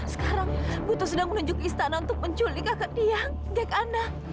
sekarang buto sedang menuju ke istana untuk menculik kakak tiang gek ana